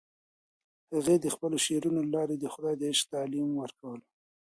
هغه د خپلو شعرونو له لارې د خدای د عشق تعلیم ورکولو.